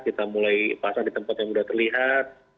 kita mulai pasang di tempat yang sudah terlihat